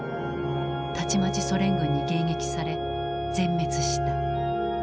たちまちソ連軍に迎撃され全滅した。